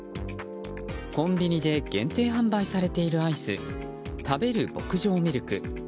コンビニで限定販売されているアイス、たべる牧場ミルク。